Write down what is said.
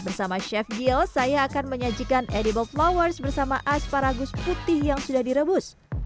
bersama chef gill saya akan menyajikan edible flowers bersama asparagus putih yang sudah direbus